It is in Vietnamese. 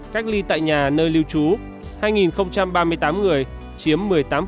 cách ly tại nhà nơi lưu trú hai ba mươi tám người chiếm một mươi tám